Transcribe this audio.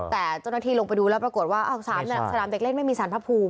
แต่เจ้าหน้าที่ลงไปดูแล้วปรากฏว่าสนามเด็กเล่นไม่มีสารพระภูมิ